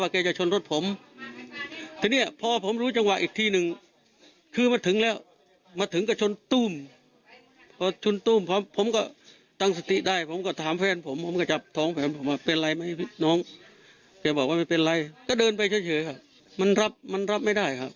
ก็เดินไปเฉยครับมันรับมันรับไม่ได้ครับ